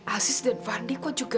asis dan fadli kok juga